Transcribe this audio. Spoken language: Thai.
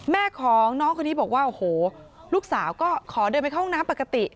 แม่ของน้องคนนี้บอกว่าโอ้โหลูกสาวก็ขอเดินไปเข้าห้องน้ำปกติ